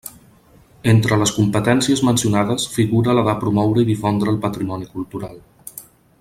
Entre les competències mencionades figura la de promoure i difondre el patrimoni cultural.